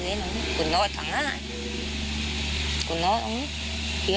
ที่บอกไปอีกเรื่อยเนี่ย